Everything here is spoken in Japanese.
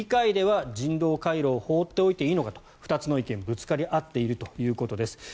議会では人道回廊を放っておいていいのかと２つの意見がぶつかり合っているということです。